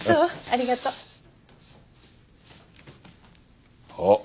ありがとう。おっ。